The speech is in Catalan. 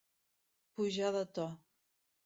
Pujar de to.